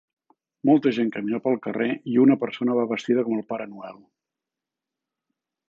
Molta gent camina pel carrer i una persona va vestida com el Pare Noel.